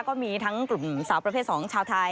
ก็มีทั้งกลุ่มสาวประเภท๒ชาวไทย